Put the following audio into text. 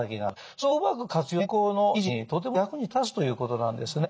それをうまく活用すれば人の健康の維持にとても役に立つということなんですね。